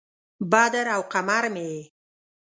بدر او قمر مې یې